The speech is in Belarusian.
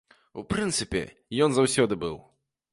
У прынцыпе, ён заўсёды быў.